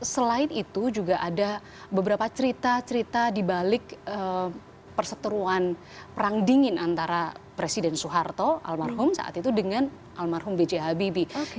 selain itu juga ada beberapa cerita cerita di balik perseteruan perang dingin antara presiden soeharto almarhum saat itu dengan almarhum b j habibie